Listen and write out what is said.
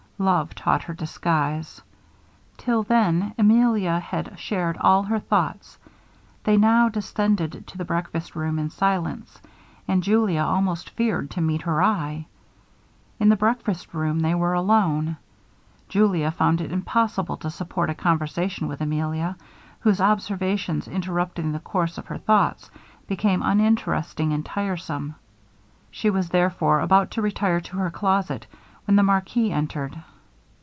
Love taught her disguise. Till then Emilia had shared all her thoughts; they now descended to the breakfast room in silence, and Julia almost feared to meet her eye. In the breakfast room they were alone. Julia found it impossible to support a conversation with Emilia, whose observations interrupting the course of her thoughts, became uninteresting and tiresome. She was therefore about to retire to her closet, when the marquis entered.